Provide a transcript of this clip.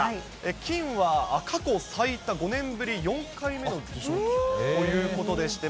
金は、過去最多５年ぶり４回目の受賞ということでして。